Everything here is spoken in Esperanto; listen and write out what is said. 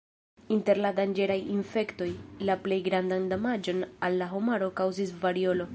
Inter la danĝeraj infektoj, la plej grandan damaĝon al la homaro kaŭzis variolo.